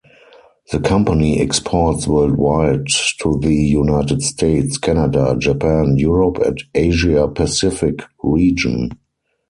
The company exports worldwide to the United States, Canada, Japan, Europe and Asia-Pacific Region.